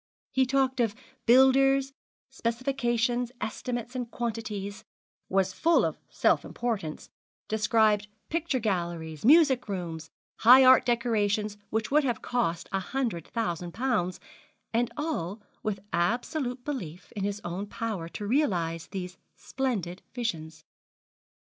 He talked of builders, specifications, estimates, and quantities was full of self importance described picture galleries, music rooms, high art decorations which would have cost a hundred thousand pounds, and all with absolute belief in his own power to realise these splendid visions.